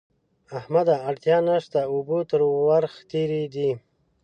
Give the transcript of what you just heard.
احمده! اړتیا نه شته؛ اوبه تر ورخ تېرې دي.